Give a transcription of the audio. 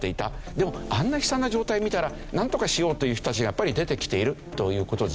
でもあんな悲惨な状態を見たらなんとかしようという人たちがやっぱり出てきているという事ですね。